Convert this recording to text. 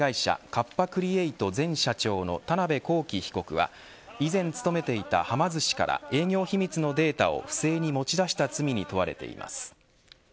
カッパ・クリエイト前社長の田辺公己被告は以前勤めていたはま寿司から営業秘密のデータを不正に持ち出した罪に問われています。